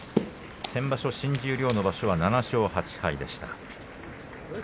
先場所、新十両の場所は７勝８敗でした。